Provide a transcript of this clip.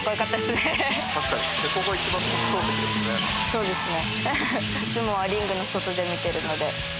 そうですね。